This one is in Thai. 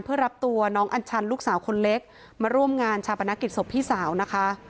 เพื่อรับตัวน้องอัญชันลูกสาวคนเล็กมาร่วมงานชาปนกิจศพพี่สาวนะคะ